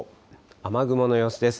雨雲の様子です。